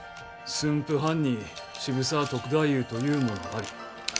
「駿府藩に渋沢篤太夫というものあり。